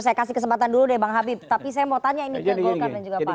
saya kasih kesempatan dulu deh bang habib tapi saya mau tanya ini ke golkar dan juga pak